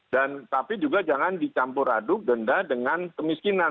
dan tapi juga jangan dicampur aduk denda dengan kemiskinan